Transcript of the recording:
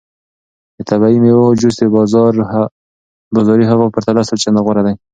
د طبیعي میوو جوس د بازاري هغو په پرتله سل چنده غوره دی.